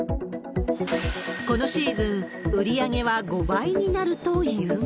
このシーズン、売り上げは５倍になるというが。